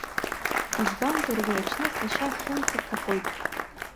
Избанзар, уи аҽны сашьа Хьымца дҭахоит.